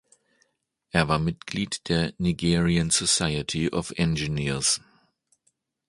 Er war Mitglied der Nigerian Society of Engineers.